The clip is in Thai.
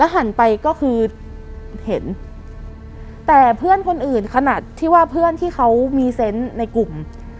หันไปก็คือเห็นแต่เพื่อนคนอื่นขนาดที่ว่าเพื่อนที่เขามีเซนต์ในกลุ่ม